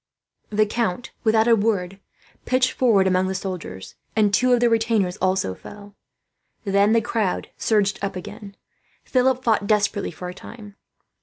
The count, without a word, pitched forward among the soldiers; and two of the retainers also fell. Then the crowd surged up again. Philip fought desperately for a time.